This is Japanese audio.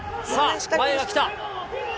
前が来た。